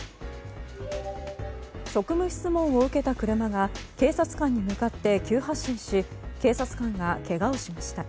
職務質問を受けた車が警察官に向かって急発進し警察官がけがをしました。